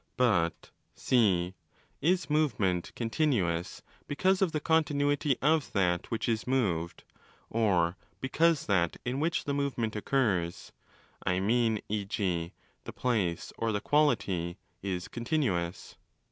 * But (c) is movement? continuous because of the continuity of that which is moved, or because that in which the movement occurs (I mean, e. g., the place or the quality) is continuous?